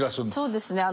そうですね。